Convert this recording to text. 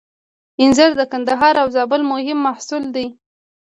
انځر د کندهار او زابل مهم محصول دی